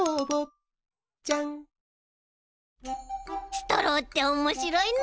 ストローっておもしろいな。